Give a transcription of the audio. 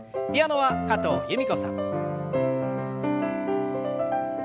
ピアノは加藤由美子さん。